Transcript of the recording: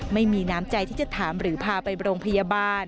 ไม่มีน้ำใจที่จะถามหรือพาไปโรงพยาบาล